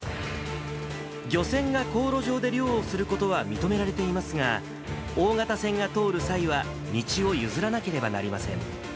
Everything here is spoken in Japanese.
漁船が航路上で漁をすることは認められていますが、大型船が通る際は道を譲らなければなりません。